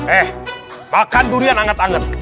eh makan durian anget anget